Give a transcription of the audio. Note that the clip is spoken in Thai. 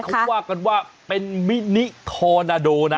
นี่เขาก็ว่ากันว่าเป็นมินิคอร์นาโดนะ